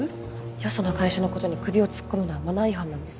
よその会社のことに首を突っ込むのはマナー違反なんです。